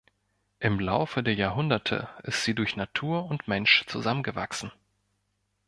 Im Laufe der Jahrhunderte ist sie durch Natur und Mensch zusammengewachsen.